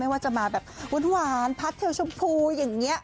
ว่าจะมาแบบหวานพัดเทลชมพูอย่างนี้